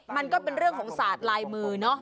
มันก็เป็นเรื่องของศาสตร์ลายมือเนาะ